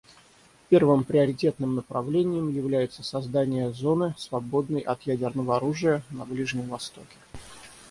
Первым приоритетным направлением является создание зоны, свободной от ядерного оружия, на Ближнем Востоке.